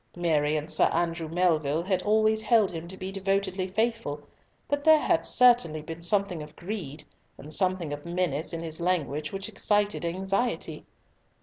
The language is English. Mary and Sir Andrew Melville had always held him to be devotedly faithful, but there had certainly been something of greed, and something of menace in his language which excited anxiety.